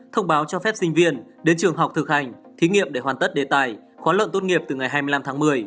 thông báo cho phép sinh viên đến trường học thực hành thí nghiệm để hoàn tất đề tài khóa lợn tốt nghiệp từ ngày hai mươi năm tháng một mươi